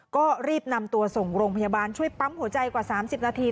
ก็รีบนำตัวส่งโรงพยาบาลช่วยปั๊มหัวใจกว่า๓๐นาที